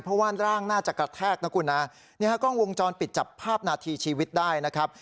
เพราะว่าร่างน่าจะกระแทกนะคุณนะนี่ฮะกล้องวงจรปิดจับภาพนาทีชีวิตได้นะครับ